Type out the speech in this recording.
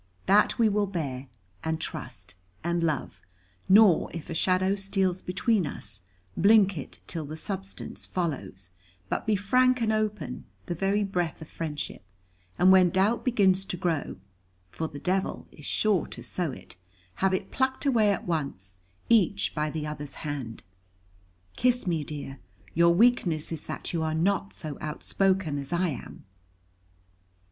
That we will bear, and trust, and love; nor, if a shadow steals between us, blink it till the substance follows, but be frank and open the very breath of friendship and when doubt begins to grow, for the devil is sure to sow it, have it plucked away at once, each by the other's hand. Kiss me, dear; your weakness is that you are not so outspoken as I am.